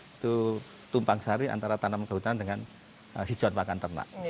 itu tumpang sari antara tanaman kehutanan dengan hijauan pakan ternak